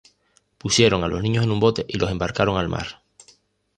Pusieron a los niños en un bote y los embarcaron al mar.